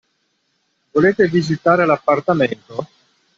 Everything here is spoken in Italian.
Volete visitare l'appartamento?